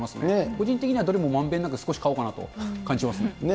個人的にはどれもまんべんなく少し買おうかなという感じしますね。